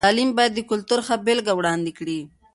تعلیم باید د کلتور ښه بېلګه وړاندې کړي.